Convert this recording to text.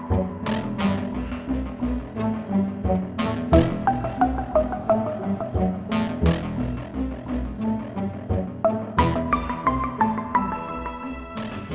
miha sam sedekat